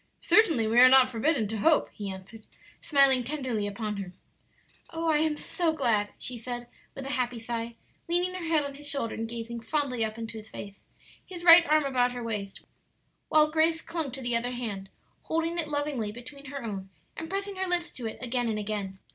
"Certainly we are not forbidden to hope," he answered, smiling tenderly upon her. "Oh, I am so glad!" she said, with a happy sigh, leaning her head on his shoulder and gazing fondly up into his face, his right arm about her waist, while Grace clung to the other hand, holding it lovingly between her own and pressing her lips to it again and again.